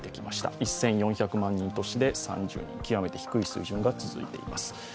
１２００万人都市で極めて低い水準が続いています。